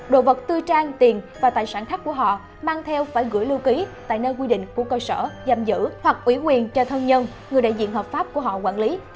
đồ vật tư trang tiền và tài sản khác của họ mang theo phải gửi lưu ký tại nơi quy định của cơ sở giam giữ hoặc ủy quyền cho thân nhân người đại diện hợp pháp của họ quản lý